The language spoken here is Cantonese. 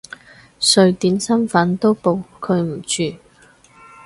瑞典身份都保佢唔住！